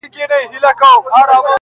علم ته تلکه سوه عقل لاري ورکي کړې-